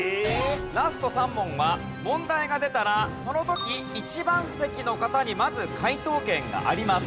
ラスト３問は問題が出たらその時一番席の方にまず解答権があります。